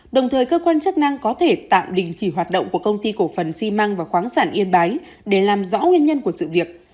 đồng thời cơ quan chức năng có thể tạm đình chỉ hoạt động của công ty cổ phần xi măng và khoáng sản yên bái để làm rõ nguyên nhân của sự việc